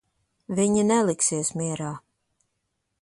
Viņi neliksies mierā.